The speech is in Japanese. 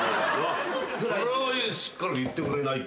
それはしっかり言ってくれないと。